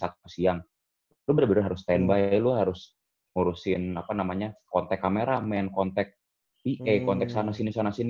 lo bener bener harus standby lo harus ngurusin apa namanya kontak kameramen kontak pa kontak sana sini sana sini